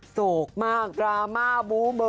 โศกมากรามาบูเบ้อ